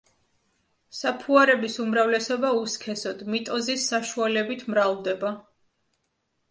საფუარების უმრავლესობა უსქესოდ, მიტოზის საშუალებით მრავლდება.